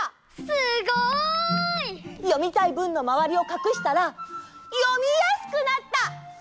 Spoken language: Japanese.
すごい！読みたいぶんのまわりをかくしたら読みやすくなった！